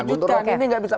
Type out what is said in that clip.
nah gunturo ini nggak bisa